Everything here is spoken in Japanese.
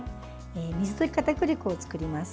水溶きかたくり粉を作ります。